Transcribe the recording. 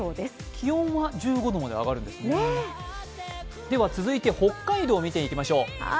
気温は１５度まで上がるんですね、続いて北海道見ていきましょう。